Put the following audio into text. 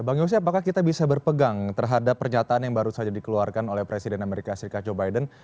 bang yose apakah kita bisa berpegang terhadap pernyataan yang baru saja dikeluarkan oleh presiden amerika serikat joe biden